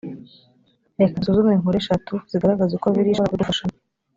reka dusuzume inkuru eshatu zigaragaza uko bibiliya ishobora kubigufashamo